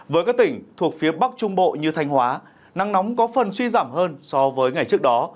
với các tỉnh thuộc phía bắc trung bộ như thanh hóa nắng nóng có phần suy giảm hơn so với ngày trước đó